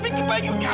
jadi bahkan pudih saja